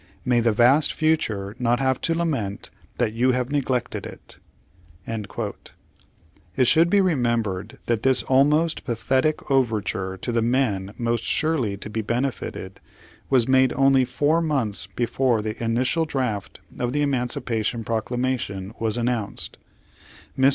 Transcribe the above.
May the vast future not have to lament that you have neglected it!" It should be remembered that this almost pa thetic overture to the men most surely to be bene fitted, was made only four months before the initial draft of the Emancipation Proclamation was announced. Mr.